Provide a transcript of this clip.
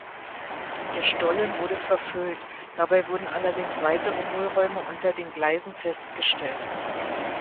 Der Stollen wurde verfüllt, dabei wurden allerdings weitere Hohlräume unter den Gleisen festgestellt.